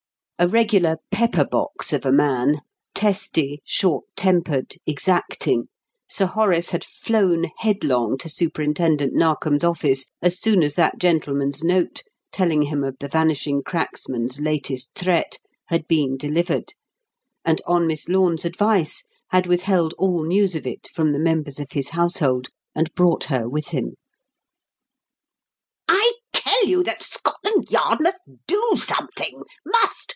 A regular pepper box of a man testy, short tempered, exacting Sir Horace had flown headlong to Superintendent Narkom's office as soon as that gentleman's note, telling him of the Vanishing Cracksman's latest threat, had been delivered, and, on Miss Lorne's advice, had withheld all news of it from the members of his household and brought her with him. "I tell you that Scotland Yard must do something must! must!